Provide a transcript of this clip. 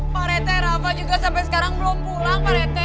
pak rete rafa juga sampai sekarang belum pulang pak rete